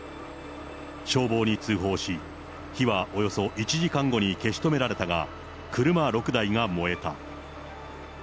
消防に通報し、火はおよそ１時間後に消し止められたが、車６台が燃えた。